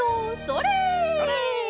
それ！